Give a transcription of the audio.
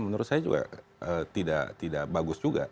menurut saya juga tidak bagus juga